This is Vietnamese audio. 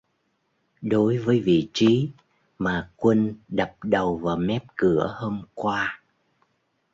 Đối với vị trí mà Quân đập đầu vào mép cửa hôm qua